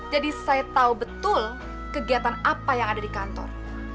jadi saya tahu betul kegiatan apa yang ada di kantor